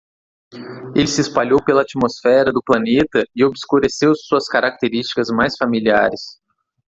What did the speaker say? Ele se espalhou pela atmosfera do planeta e obscureceu suas características mais familiares.